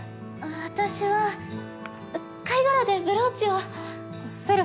私は貝殻でブローチを。せる